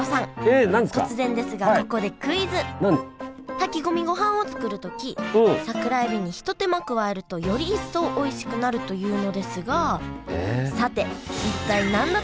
炊き込みごはんを作る時桜えびにひと手間加えるとより一層おいしくなるというのですがさて一体何だと思いますか？